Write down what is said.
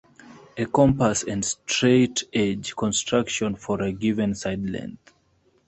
A compass and straightedge construction for a given side length.